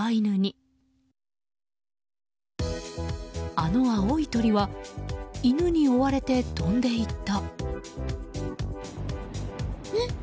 あの青い鳥は犬に追われて飛んでいった。